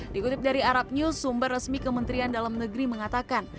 dikutip dari arab news sumber resmi kementerian dalam negeri mengatakan